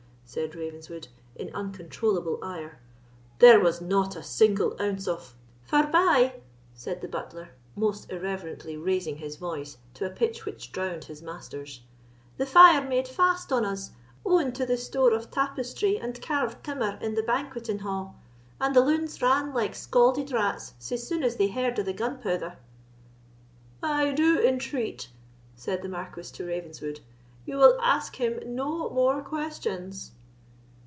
said Ravenswood, in uncontrollable ire, "there was not a single ounce of——" "Forbye," said the butler, most irreverently raising his voice to a pitch which drowned his master's, "the fire made fast on us, owing to the store of tapestry and carved timmer in the banqueting ha', and the loons ran like scaulded rats sae sune as they heard of the gunpouther." "I do entreat," said the Marquis to Ravenswood, "you will ask him no more questions."